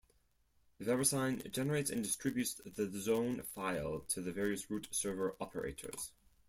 VeriSign generates and distributes the zone file to the various root server operators.